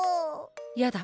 やだ